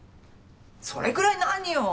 それくらい何よ